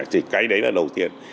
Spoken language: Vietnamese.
thì cái đấy là đầu tiên